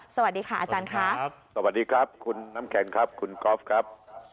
สวัสดีค่ะอาจารย์ครับสวัสดีครับคุณน้ำแข็งครับคุณกอล์ฟครับ